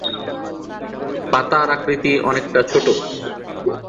পাতার আকৃতি অনেকটা ছোট।